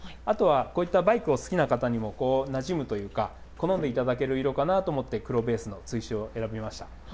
あとはこういったバイクを好きな方にもなじむというか、好んでいただける色かなと思って、黒ベースの堆朱を選びました。